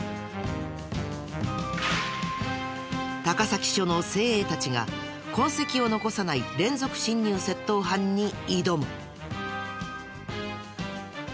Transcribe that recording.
高崎署の精鋭たちが痕跡を残さない連続侵入窃盗犯に挑む！